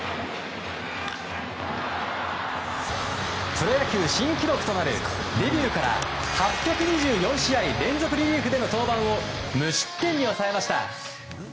プロ野球新記録となるデビューから８２４試合連続リリーフでの登板を無失点に抑えました。